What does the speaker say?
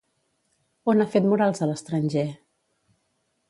On ha fet murals a l'estranger?